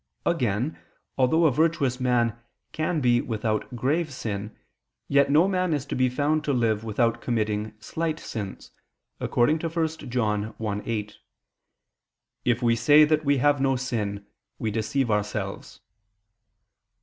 Again, although a virtuous man can be without grave sin, yet no man is to be found to live without committing slight sins, according to 1 John 1:8: "If we say that we have no sin, we deceive ourselves."